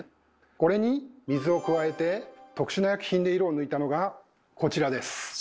これに水を加えて特殊な薬品で色を抜いたのがこちらです。